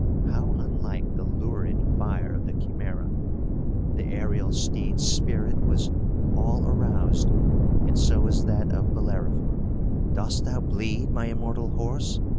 How unlike the lurid fire of the Chimæra! The aërial steed's spirit was all aroused, and so was that of Bellerophon. "Dost thou bleed, my immortal horse?"